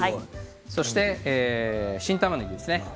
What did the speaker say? そして新たまねぎですね。